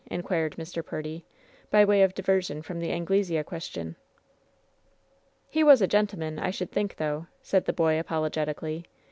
inquired Mr. Purdy, by way of diversion from the Anglesea question. "He was a gentleman, I should think, though," said the boy, apologetically.